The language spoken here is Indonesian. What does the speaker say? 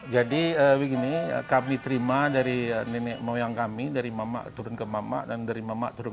jadi begini kami terima dari nenek moyang kami dari mamak turun ke mamak dan dari mamak turun